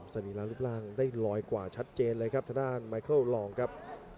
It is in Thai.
สรีระรูปร่างได้ลอยกว่าชัดเจนเลยครับทางด้านไมเคิลรองครับ